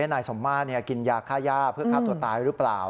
นายสมมากินยาค่าย่าเพื่อฆ่าตัวตายหรือเปล่า